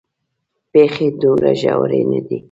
پېښې دومره ژورې نه دي.